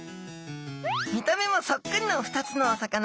見た目もそっくりの２つのお魚。